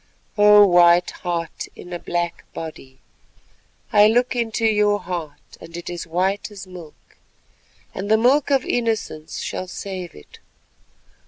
"O White Heart and black body, I look into your heart and it is white as milk, and the milk of innocence shall save it.